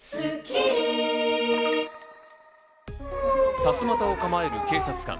さすまたを構える警察官。